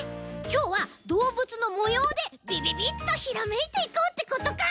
きょうはどうぶつのもようでビビビッとひらめいていこうってことか！